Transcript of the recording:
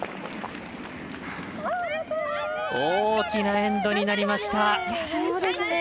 大きなエンドになりました！